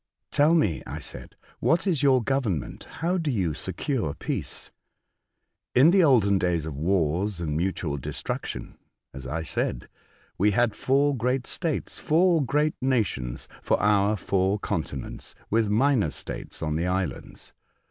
''Tell me," I said, "what, is your govern ment ? How do you secure peace ?"" In the olden days of wars and mutual destruction, as I said, we had four great states — four great nations — for our four con tinents, with minor states on the islands.